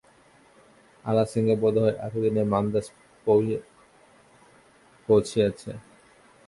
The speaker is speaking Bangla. আলাসিঙ্গা বোধ হয় এতদিনে মান্দ্রাজ পঁহুছিয়াছে।